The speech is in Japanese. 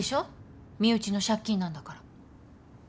身内の借金なんだから。